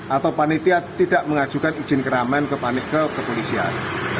atau panitia tidak mengajukan izin keramen ke paniti kepolisian